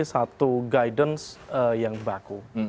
satu guidance yang baku